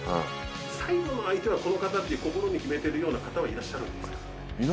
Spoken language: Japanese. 最後の相手はこの方って心に決めてるような方はいらっしゃるんですか？